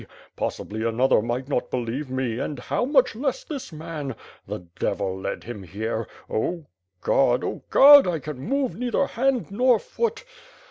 Possibly, another might not believe me and, how much less this man? The devil led him here — Oh God! Oh God! I can move neither hand nor foot.